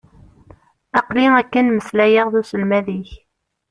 Aql-iyi akken meslayeɣ d uselmad-ik.